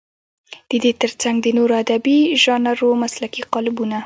د دې تر څنګ د نورو ادبي ژانرونو مسلکي قالبونه.